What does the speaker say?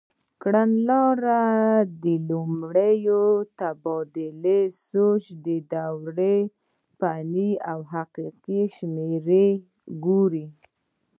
کړنلاره: لومړی د تبدیل سویچ د دورې فني او حقیقي شمې وګورئ.